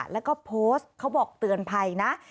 แล้วก็โพสต์เขาบอกเตือนภัยนะ